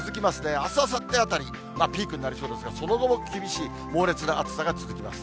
あす、あさってあたり、ピークになりそうですから、その後も厳しい猛烈な暑さが続きます。